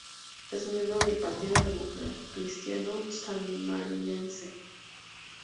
Es miembro del Partido Democristiano Sanmarinense.